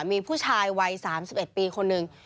มีผู้ชายวัย๓๑ปีคนหนึ่ง